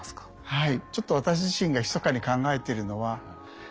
はい。